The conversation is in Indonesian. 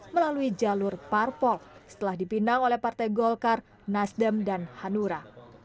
melalui jalur parpol setelah dipinang oleh partai golkar nasdem dan hanura